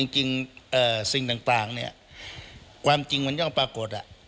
สิ่งต่างเนี่ยความจริงมันย่อมปรากฏ